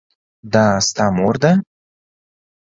دا ستا مور ده ؟